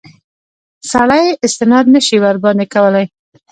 سړی استناد نه شي ورباندې کولای.